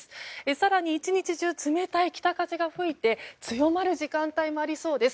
更に１日中冷たい北風が吹いて強まる時間帯もありそうです。